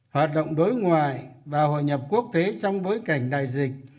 hoạt động đối ngoại và hội nhập quốc tế trong bối cảnh đại dịch